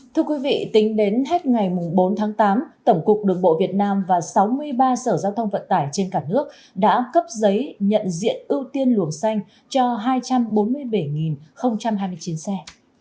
thưa quý vị tính đến hết ngày bốn tháng tám tổng cục đường bộ việt nam và sáu mươi ba sở giao thông vận tải trên cả nước đã cấp giấy nhận diện ưu tiên luồng xanh cho hai trăm bốn mươi bảy hai mươi chín xe